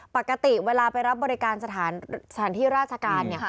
ปกติเวลาไปรับบริการสถานที่ราชการ